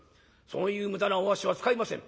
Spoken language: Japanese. そういう無駄なお足は使いません。